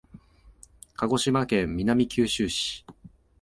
鹿児島県南九州市